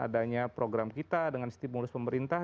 adanya program kita dengan stimulus pemerintah